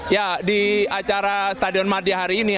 ya di acara stadion madia hari ini